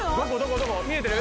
見えてる？